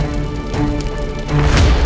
ada apaan sih